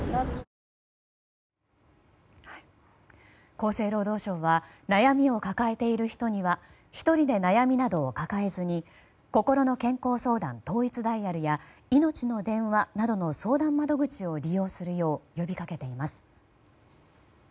厚生労働省は悩みを抱えている人には１人で悩みなどを抱えずにこころの健康相談統一ダイヤルやいのちの電話などの相談窓口を利用するよう呼びかけています。